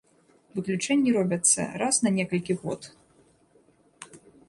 Выключэнні робяцца раз на некалькі год.